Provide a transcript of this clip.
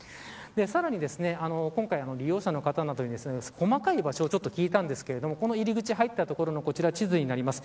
さらに今回、利用者の方などに細かい場所を聞いたんですけどこの入り口入った所のこちら地図になります。